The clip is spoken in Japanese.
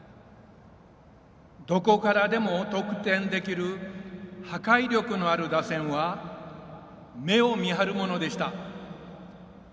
どこからでも得点できる破壊力のある打線は目を見張るものでした。